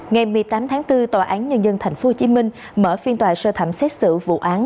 ngày một mươi tám tháng bốn tòa án nhân dân tp hcm mở phiên tòa sơ thẩm xét xử vụ án